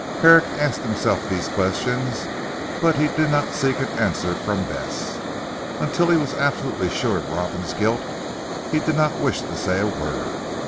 Herrick asked himself these questions, but he did not seek an answer from Bess. Until he was absolutely sure of Robin's guilt he did not wish to say a word.